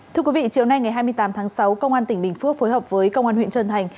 thưa quý vị chiều nay ngày hai mươi tám tháng sáu công an tỉnh bình phước phối hợp với công an huyện trân thành